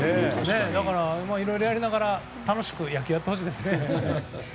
だから、いろいろやりながら楽しく野球やってほしいですね。